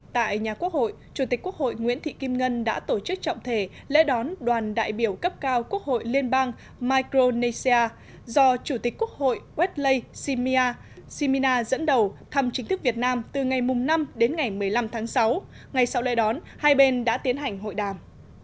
tại nhà quốc hội chủ tịch quốc hội nguyễn thị kim ngân đã tổ chức trọng thể lễ đón đoàn đại biểu cấp cao quốc hội liên bang micronesia do chủ tịch quốc hội westley shimir shimina dẫn đầu thăm chính thức việt nam từ ngày năm đến ngày một mươi năm tháng sáu ngay sau lễ đón hai bên đã tiến hành hội đàm